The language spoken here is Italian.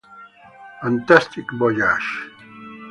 Fantastic Voyage